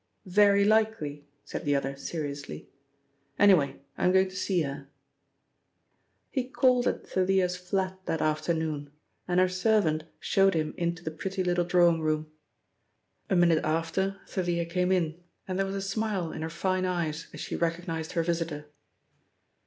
"Very likely," said the other seriously. "Anyway, I'm going to see her." He called at Thalia's flat that afternoon, and her servant showed him into the pretty little drawing room. A minute after Thalia came in, and there was a smile in her fine eyes as she recognised her visitor.